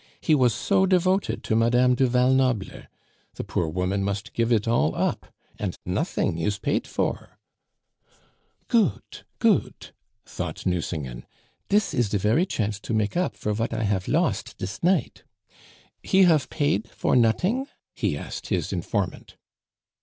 He was so devoted to Madame du Val Noble! The poor woman must give it all up. And nothing is paid for." "Goot, goot!" thought Nucingen, "dis is de very chance to make up for vat I hafe lost dis night! He hafe paid for noting?" he asked his informant.